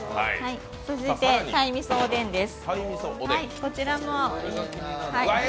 続いて鯛味噌おでんです。